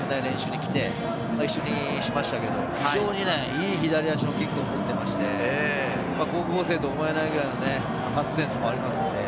一緒にプレーしましたけれど、非常にいい左足のキックを持っていまして、高校生とは思えないくらいのパスセンスもあります。